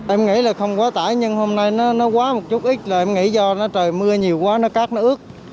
em nghĩ là không quá tải nhưng hôm nay nó quá một chút ít là em nghĩ do nó trời mưa nhiều quá nó cát nó ướt